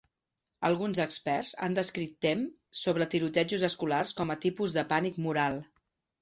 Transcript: Alguns experts han descrit tem sobre tirotejos escolars com a tipus de pànic moral.